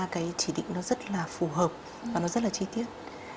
cái chỉ định nó rất là phù hợp và nó rất là chi tiết